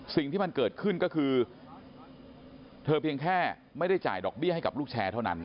สิ่งที่มันเกิดขึ้นก็คือเธอเพียงแค่ไม่ได้จ่ายดอกเบี้ยให้กับลูกแชร์เท่านั้น